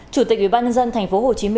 chủ tịch ubnd tp hcm